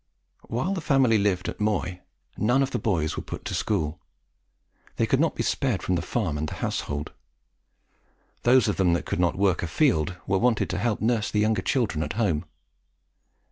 While the family lived at Moy, none of the boys were put to school. They could not be spared from the farm and the household. Those of them that could not work afield were wanted to help to nurse the younger children at home.